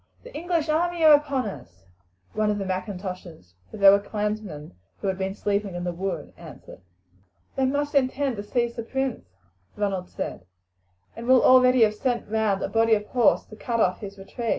"The English army are upon us!" one of the M'Intoshes for they were clansmen who had been sleeping in the wood answered. "They must intend to seize the prince," Ronald said, "and will already have sent round a body of horse to cut off his retreat.